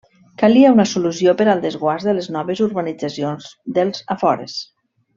Calia una solució per al desguàs de les noves urbanitzacions dels afores.